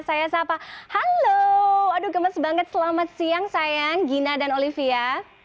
saya sapa halo aduh gemes banget selamat siang sayang gina dan olivia